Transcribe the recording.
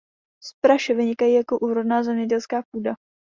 Spraše vynikají jako úrodná zemědělská půda.